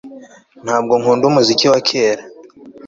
Ntabwo nkunda umuziki wa kera